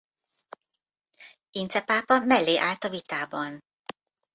Ince pápa mellé állt a vitában.